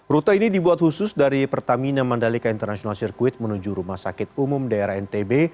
rute ini dibuat khusus dari pertamina mandalika international circuit menuju rumah sakit umum daerah ntb